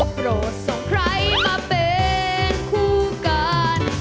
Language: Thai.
โปรดส่งใครมาเป็นคู่กัน